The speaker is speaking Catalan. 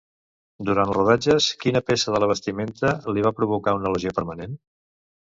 Durant els rodatges, quina peça de la vestimenta li va provocar una lesió permanent?